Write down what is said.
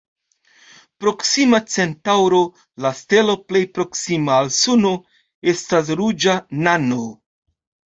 Proksima Centaŭro, la stelo plej proksima al Suno, estas ruĝa nano.